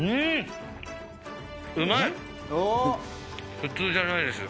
普通じゃないです。